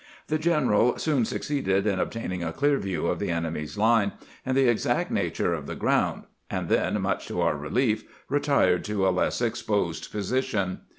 The general soon succeeded in obtaining a clear view of the enemy's line and the exact nature of the ground, and then, much to our re lief, retired to a less exposed position.